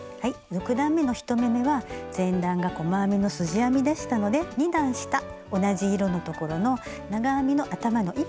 ６段めの１目めは前段が細編みのすじ編みでしたので２段下同じ色のところの長編みの頭の１本。